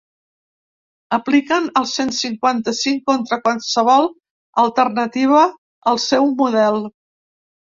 Apliquen el cent cinquanta-cinc contra qualsevol alternativa al seu model.